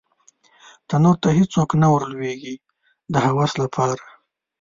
تنور ته هېڅوک نه ور لویږې د هوس لپاره